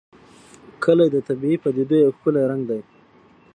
کلي د طبیعي پدیدو یو ښکلی رنګ دی.